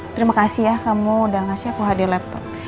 terima kasih ya kamu udah ngasih aku hadir laptop